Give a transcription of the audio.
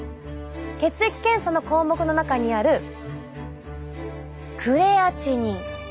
血液検査の項目の中にあるクレアチニン。